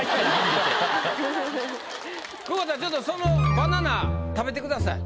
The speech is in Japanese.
久保田ちょっとそのバナナ食べてください。